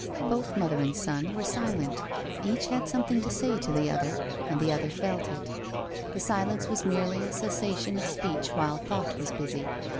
Both mother and son were siknt, each had somethmg to say to the other, and the other felt it. The silence was merely a cessation of speech while thought was busy.